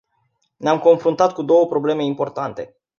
Ne-am confruntat cu două probleme importante.